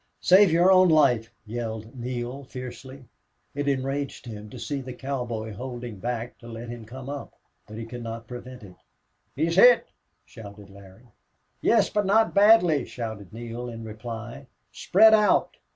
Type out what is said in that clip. "Save your own life!" yelled Neale, fiercely. It enraged him to see the cowboy holding back to let him come up. But he could not prevent it. "He's hit!" shouted Larry. "Yes, but not badly," shouted Neale, in reply. "Spread out!"